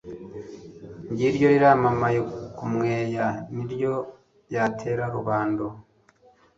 Ng'iryo riramamaye ku mweya ni ryo yatera Rubondo